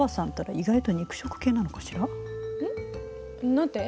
何て？